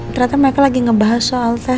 ternyata mereka lagi ngebahas soal tesnya rena